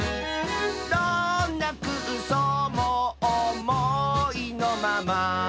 「どんなくうそうもおもいのまま」